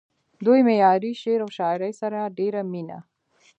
دوي معياري شعر و شاعرۍ سره ډېره مينه